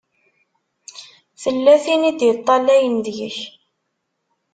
Tella tin i d-iṭṭalayen deg-k.